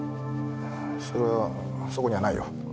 それはそこにはないよ。